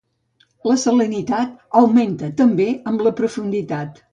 La salinitat augmenta també amb la profunditat.